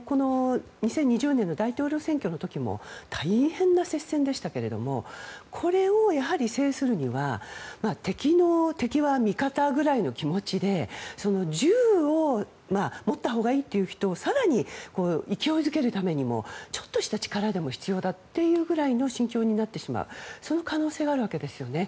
２０２０年の大統領選挙の時も大変な接戦でしたけどこれを制するには敵の敵は味方ぐらいの気持ちで銃を持ったほうがいいという人を更に勢いづけるためにもちょっとした力でも必要だという心境になってしまうその可能性はあるわけですよね。